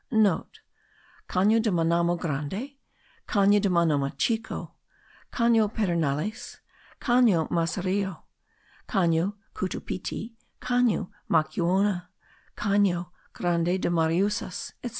(* Cano de Manamo grande, Cano de Manamo chico, Cano Pedernales, Cano Macareo, Cano Cutupiti, Cano Macuona, Cano grande de Mariusas, etc.